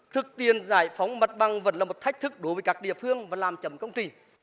thực tiên giải phóng mặt băng vẫn là một thách thức đối với các địa phương và làm chầm công ty